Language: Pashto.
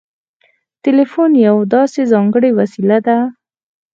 تلقين يوه داسې ځانګړې وسيله ده.